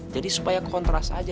jadi supaya kontras aja